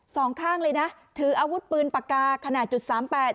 สองข้างเลยนะถืออาวุธปืนปากกาขนาด๓๘